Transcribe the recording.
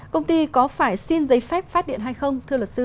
công ty có phải xin giấy phép phát điện hay không